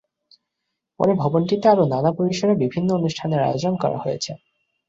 পরে ভবনটিতে আরো নানা পরিসরে বিভিন্ন অনুষ্ঠানের আয়োজন করা হয়েছে।